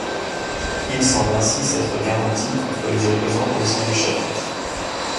Il semble ainsi s'être garanti contre les opposants au sein du chapitre.